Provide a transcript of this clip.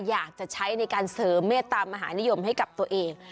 อยากจะใช้ในการเสริมเมตตามหานิยมให้กับตัวเอง